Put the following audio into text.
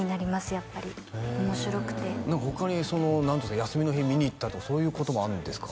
やっぱり面白くて他に何ていうんですか休みの日見に行ったりとかそういうこともあるんですか？